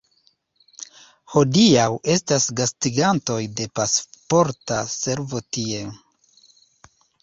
Hodiaŭ estas gastigantoj de Pasporta Servo tie.